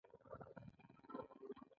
مهرباني وکړئ سمې جملې ولیکئ.